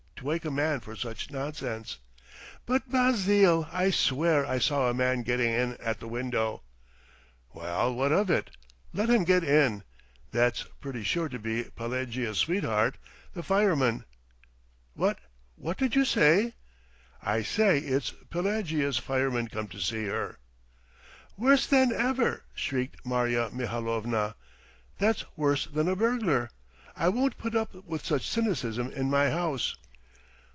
To wake a man for such nonsense!" "But, Basile, I swear I saw a man getting in at the window!" "Well, what of it? Let him get in. ... That's pretty sure to be Pelagea's sweetheart, the fireman." "What! what did you say?" "I say it's Pelagea's fireman come to see her." "Worse than ever!" shrieked Marya Mihalovna. "That's worse than a burglar! I won't put up with cynicism in my house!"